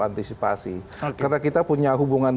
antisipasi karena kita punya hubungan